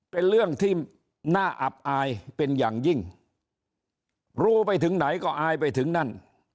เป็นเรื่องที่น่าอับอายเป็นอย่างยิ่งรู้ไปถึงไหนก็อายไปถึงนั่น